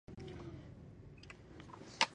تر يو ساعت مزله وروسته يې په کلينيک نظر ولګېد.